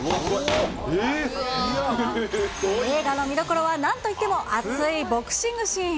映画の見どころはなんといっても熱いボクシングシーン。